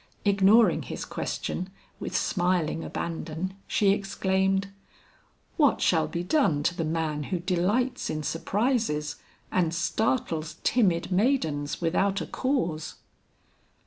Ignoring his question with smiling abandon, she exclaimed, "What shall be done to the man who delights in surprises and startles timid maidens without a cause?"